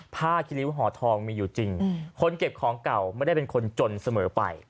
คิริ้วห่อทองมีอยู่จริงคนเก็บของเก่าไม่ได้เป็นคนจนเสมอไป